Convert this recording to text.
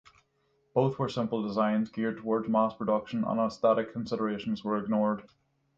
Both were simple designs geared toward mass production and aesthetic considerations were ignored.